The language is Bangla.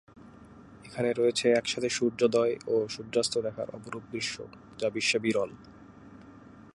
এখানে রয়েছে একসাথে সূর্যোদয় ও সূর্যাস্ত দেখার অপরূপ দৃশ্য যা বিশ্বে বিরল।